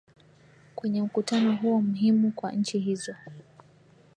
kwenye mkutano huo mhimu kwa nchi hizo